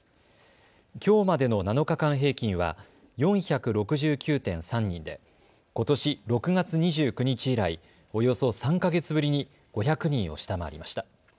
きょうまでの７日間平均は４６９．３人でことし６月２９日以来、およそ３か月ぶりに５００人を下回りました。